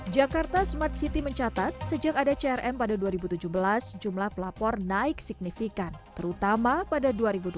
jakarta smart city mencatat sejak ada crm pada dua ribu tujuh belas jumlah pelapor naik signifikan terutama pada dua ribu dua puluh